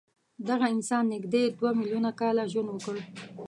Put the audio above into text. دغه انسان نږدې دوه میلیونه کاله ژوند وکړ.